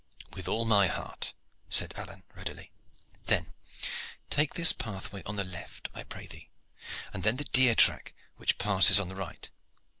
"With all my heart," said Alleyne readily. "Then take this pathway on the left, I pray thee, and then the deer track which passes on the right.